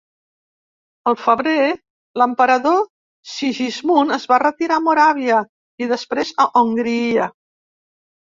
Al febrer, l'emperador Sigismund es va retirar a Moràvia i després a Hongria.